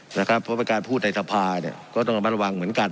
เพราะว่าการพูดในภาพตามันต้องระวังเหมือนกัน